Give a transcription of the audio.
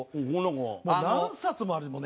もう何冊もあるもんね。